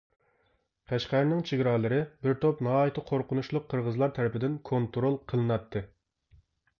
قەشقەرنىڭ چېگرالىرى بىر توپ ناھايىتى قورقۇنچلۇق قىرغىزلار تەرىپىدىن كونترول قىلىناتتى.